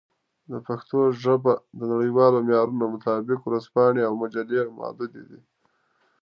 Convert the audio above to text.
په پښتو ژبه د نړیوالو معیارونو مطابق ورځپاڼې او مجلې محدودې دي.